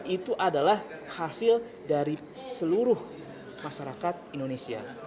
itu adalah hasil dari seluruh masyarakat indonesia